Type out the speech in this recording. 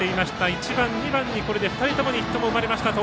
１、２番に、これで２人ともにヒットが生まれました。